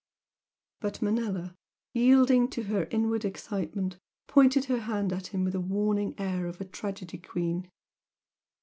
But Manella, yielding to her inward excitement, pointed a hand at him with a warning air of a tragedy queen.